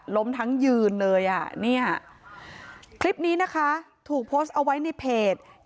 ล้มทั้งยืนเลยอ่ะเนี่ยคลิปนี้นะคะถูกโพสต์เอาไว้ในเพจ